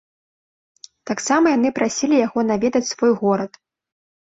Таксама яны прасілі яго наведаць свой горад.